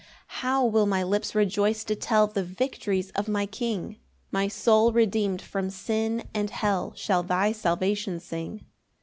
5 How will my lips rejoice to tell The victories of my King! My soul redeem'd from sin and hell Shall thy salvation sing.